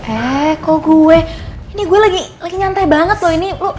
eh kok gue ini gue lagi nyantai banget loh ini